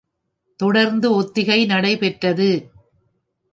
தொடர்ந்து ஒத்திகை நடைபெற்றது.